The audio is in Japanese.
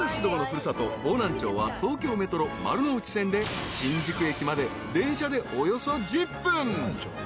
方南町は東京メトロ丸ノ内線で新宿駅まで電車でおよそ１０分］